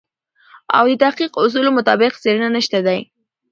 او د تحقیق اصولو مطابق څېړنه نشته دی.